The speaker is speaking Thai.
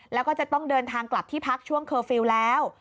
แล้วก็จะต้องเดินทางกลับที่พักช่วงเคอร์ฟิลล์แล้ว